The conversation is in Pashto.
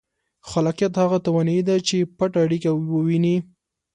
خلاقیت هغه توانایي ده چې پټه اړیکه ووینئ.